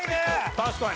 確かに。